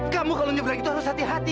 kamu kalau nyebrang itu harus hati hati